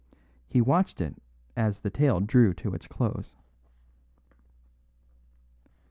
He watched it as the tale drew to its close.